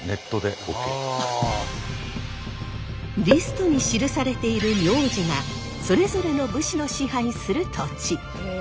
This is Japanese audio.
リストに記されている名字がそれぞれの武士の支配する土地。